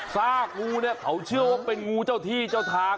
ซากงูเนี่ยเขาเชื่อว่าเป็นงูเจ้าที่เจ้าทาง